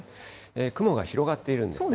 雲が広がっているんですね。